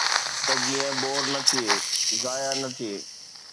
ته جيئن بور نه ٿئي، ضايع نه ٿئي.